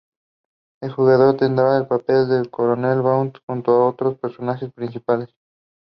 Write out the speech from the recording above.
Her art is focused on foregrounding the experiences of Indigenous women.